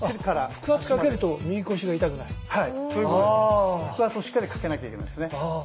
腹圧をしっかりかけなきゃいけないんですね。